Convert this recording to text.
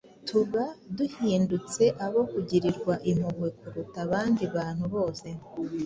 tuba duhindutse abo kugirirwa impuhwe kuruta abandi bantu bose.